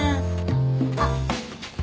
あっ。